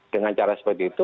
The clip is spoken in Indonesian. dengan cara seperti itu